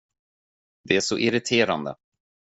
Det är så irriterande.